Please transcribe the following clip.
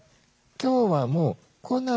今日はもう来ない。